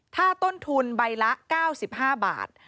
ถ้าต้นทุนใบละ๙๕บาท